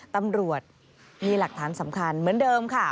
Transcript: ตำรวจมีหลักฐานสำคัญเหมือนเดิมค่ะ